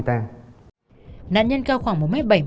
lạn nhân cao khoảng một m bảy mươi